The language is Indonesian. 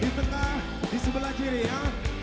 di tengah disebelah kiri ya